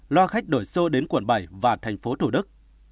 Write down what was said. lo khách đổi xô đến quận bảy và tp thủ đức